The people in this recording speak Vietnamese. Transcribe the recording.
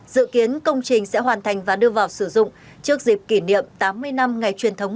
dự kiến công trình sẽ hoàn thành và đưa vào sử dụng trước dịp kỷ niệm tám mươi năm ngày truyền thống